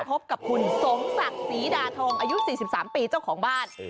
พบกับคุณสมศักดิ์ศรีดาทองอายุ๔๓ปีเจ้าของบ้าน